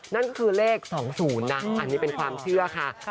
นั่นก็คือเลข๒๐นะอันนี้เป็นความเชื่อค่ะ